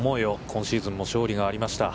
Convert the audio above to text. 今シーズンも勝利がありました。